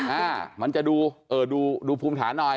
อ่ามันจะดูเออดูดูภูมิฐานหน่อย